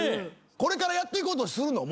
これからやっていこうとするの？